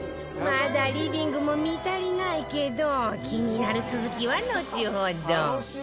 まだリビングも見足りないけど気になる続きはのちほど